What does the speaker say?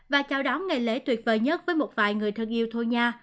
và chào đón ngày lễ tuyệt vời nhất với một vài người thân yêu thôn nha